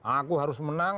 aku harus menang